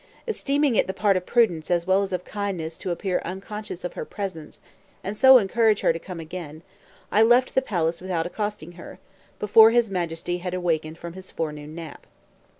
Esteeming it the part of prudence as well as of kindness to appear unconscious of her presence, and so encourage her to come again, I left the palace without accosting her, before his Majesty had awakened from his forenoon nap.